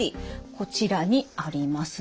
こちらにあります。